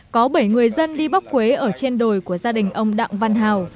có bảy người dân đi bóc quế ở trên đồi của gia đình ông đặng văn hào